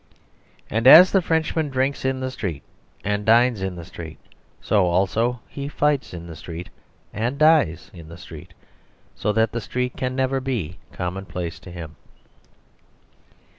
And as the Frenchman drinks in the street and dines in the street so also he fights in the street and dies in the street, so that the street can never be commonplace to him.